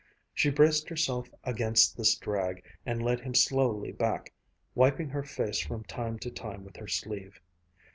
She braced herself against this drag, and led him slowly back, wiping her face from time to time with her sleeve.